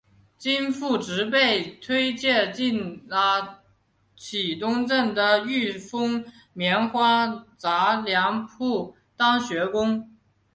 经父执辈推介进了启东镇的裕丰棉花杂粮铺当学徒工。